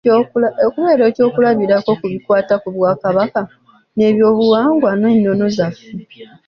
Okubeera eky'okulabirako ku bikwata ku bwakabaka n'eby'obuwangwa n'ennono zaffe.